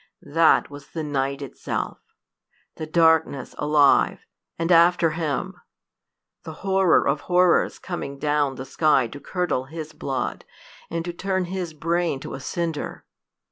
That was the night itself! the darkness alive and after him! the horror of horrors coming down the sky to curdle his blood, and turn his brain to a cinder!